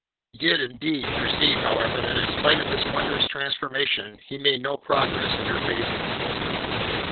He did indeed perceive, however, that in spite of this wondrous transformation, he made no progress in her favour.